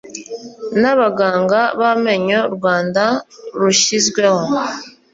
n abaganga b amenyo rwanda rushyizweho